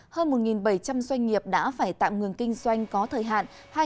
hơn một bảy trăm linh doanh nghiệp đã phải tạm ngừng kinh doanh có thời hạn